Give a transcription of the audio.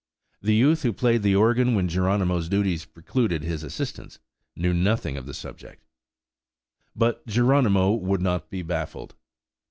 The youth who played the organ when Geronimos's duties precluded his assistance, knew nothing of the subject. But Geronimo would not be baffled.